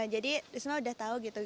jadi risma udah tahu gitu